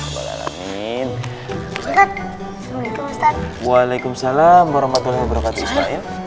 waalaikumsalam warahmatullahi wabarakatuh ya